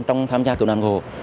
trong tham gia cựu đoàn hồ